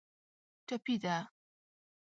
ټپي ده.